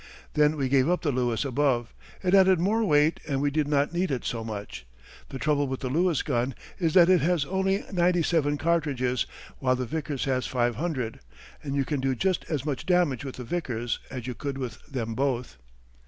Then we gave up the Lewis above. It added more weight, and we did not need it so much. The trouble with the Lewis gun is that it has only ninety seven cartridges, while the Vickers has five hundred, and you can do just as much damage with the Vickers as you could with them both.